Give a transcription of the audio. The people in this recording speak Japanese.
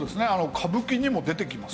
歌舞伎にも出てきますしね。